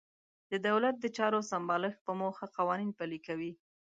د دولت د چارو سمبالښت په موخه قوانین پلي کوي.